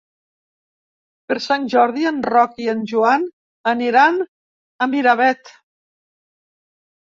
Per Sant Jordi en Roc i en Joan aniran a Miravet.